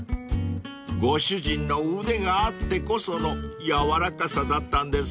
［ご主人の腕があってこその軟らかさだったんですね］